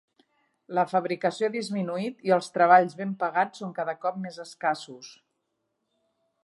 La fabricació ha disminuït i els treballs ben pagats són cada cop més escassos.